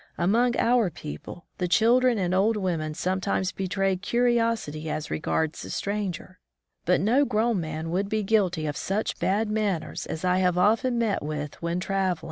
Among our people, the children and old women sometimes betray curiosity as regards a stranger, but no grown man would be guilty of such bad manners as I have often met with when traveling.